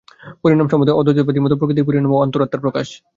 পরিণাম সম্বন্ধে অদ্বৈতবাদীর মত প্রকৃতির পরিণাম ও অন্তরাত্মার প্রকাশ।